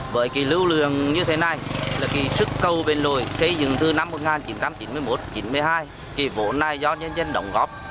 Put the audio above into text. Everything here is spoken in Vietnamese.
với lưu lượng như thế này sức cầu biển lồi xây dựng từ năm một nghìn chín trăm chín mươi một chín mươi hai vốn này do nhân dân đóng góp